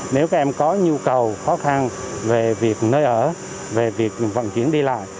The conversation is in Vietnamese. nếu các em có nhu cầu khó khăn về việc nơi ở về việc vận chuyển đi lại